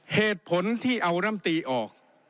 เหตุผลที่เอารัฐมนตรีออก